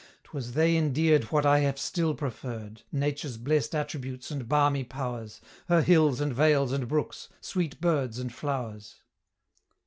'Twas they endear'd what I have still preferr'd, Nature's blest attributes and balmy pow'rs, Her hills and vales and brooks, sweet birds and flow'rs."